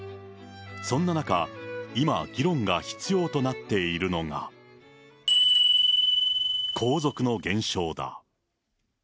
そんな中、今、議論が必要となっているのが、皇族の減少だ。